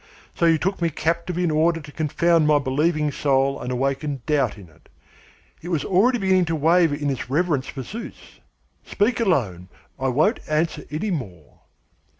So you took me captive in order to confound my believing soul and awaken doubt in it. It was already beginning to waver in its reverence for Zeus. Speak alone. I won't answer any more."